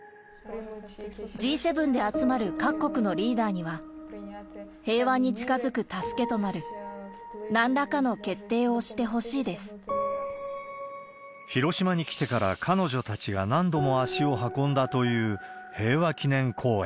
Ｇ７で集まる各国のリーダーには、平和に近づく助けとなる、広島に来てから、彼女たちが何度も足を運んだという平和記念公園。